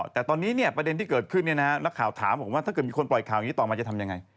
แต่ตอนนี้ประเด็นที่เกิดขึ้นนักข่าวถามบอกว่าถ้าเกิดมีคนปล่อยข่าวอย่างนี้ต่อมาจะทำยังไง